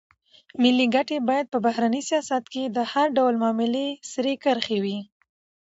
ملي ګټې باید په بهرني سیاست کې د هر ډول معاملې سرې کرښې وي.